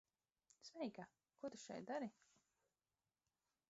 Sveika. Ko tu šeit dari?